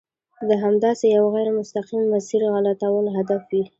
د همداسې یوه غیر مستقیم مسیر غلطول هدف وي.